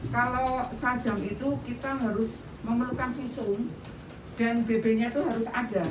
kalau sajam itu kita harus memerlukan visum dan bb nya itu harus ada